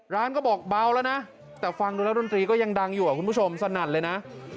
ร้านก็บอกเบาแล้วนะแต่ฟังดูแล้วดนตรีก็ยังดังอยู่คุณผู้ชมสนั่นเลยนะ